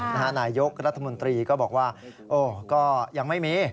นะฮะหนายกร้าธมนตรีก็บอกว่าอึ้อก็ยังไม่มี